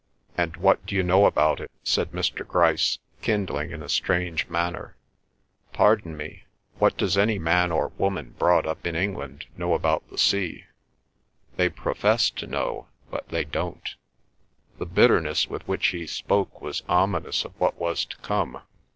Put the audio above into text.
"And what d'you know about it?" said Mr. Grice, kindling in a strange manner. "Pardon me. What does any man or woman brought up in England know about the sea? They profess to know; but they don't." The bitterness with which he spoke was ominous of what was to come.